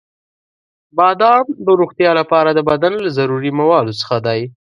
• بادام د روغتیا لپاره د بدن له ضروري موادو څخه دی.